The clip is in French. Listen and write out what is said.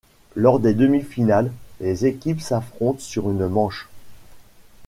Lors des demi-finales, les équipes s'affrontent sur une manche.